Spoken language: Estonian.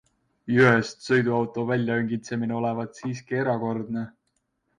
Jõest sõiduauto väljaõngitsemine olevat siiski erakordne.